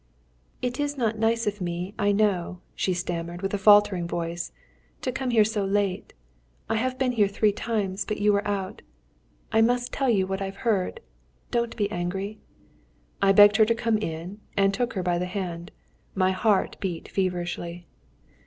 "It is not nice of me, I know," she stammered, with a faltering voice, "to come here so late. I have been here three times, but you were out. I must tell you what I've heard. Don't be angry." I begged her to come in, and took her by the hand. My heart beat feverishly.